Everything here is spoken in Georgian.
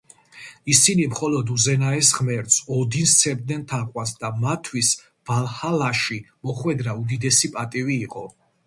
ისინი მხოლოდ უზენაეს ღმერთს, ოდინს სცემდნენ თაყვანს და მათთვის ვალჰალაში მოხვედრა უდიდესი პატივი იყო.